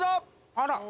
あら！